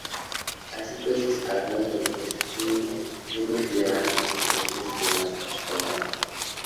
Así pues, los encargados de negocios tienen menos relevancia en los eventos diplomáticos formales.